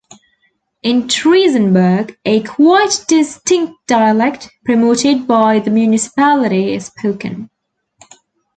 In Triesenberg a quite distinct dialect, promoted by the municipality, is spoken.